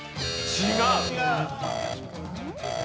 違う。